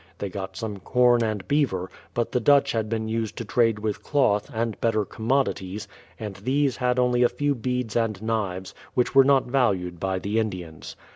They got some corn and beaver, but the Dutch had been used to trade with cloth, and better commodities, and these had only a few beads and knives, which were not valued by the Indians.